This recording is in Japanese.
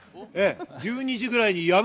１２時くらいにやむ！